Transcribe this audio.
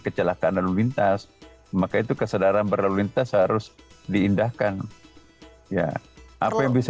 kecelakaan lalu lintas maka itu kesadaran berlalu lintas harus diindahkan ya apa yang bisa